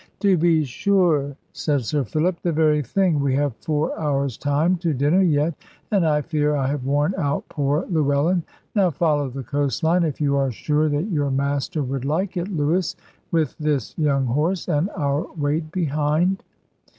"To be sure," said Sir Philip; "the very thing. We have four hours' time to dinner yet; and I fear I have worn out poor Llewellyn. Now follow the coast line if you are sure that your master would like it, Lewis, with this young horse, and our weight behind."